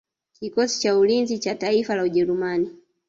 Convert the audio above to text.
Kikosi cha ulinzi cha taifa la Ujerumani